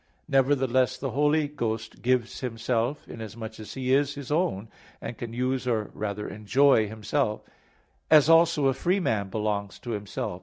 Nevertheless, the Holy Ghost gives Himself, inasmuch as He is His own, and can use or rather enjoy Himself; as also a free man belongs to himself.